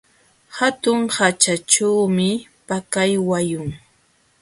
Hatun haćhachuumi pakay wayun.